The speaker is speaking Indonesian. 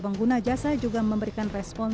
pengguna jasa juga memberikan respon